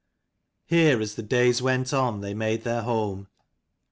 ERE as the days went on they made their home.